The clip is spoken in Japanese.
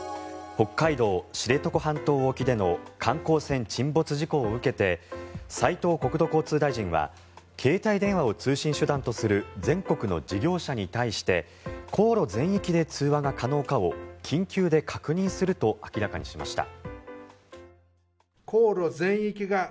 北海道・知床半島沖での観光船沈没事故を受けて斉藤国土交通大臣は携帯電話を通信手段とする全国の事業者に対して航路全域で通話が可能かを緊急で確認すると明らかにしました。